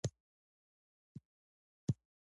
د ښځو ګډون پرمختګ چټکوي.